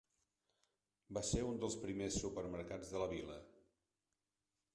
Va ser un dels primers supermercats de la vila.